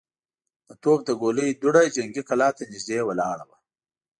د توپ د ګولۍ دوړه جنګي کلا ته نږدې ولاړه وه.